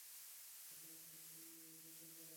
যেখানে খুশি যেতে পারা?